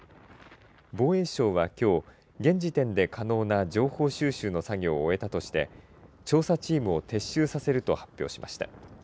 防衛省はきょう現時点で可能な情報収集の作業を終えたとして調査チームを撤収させると発表しました。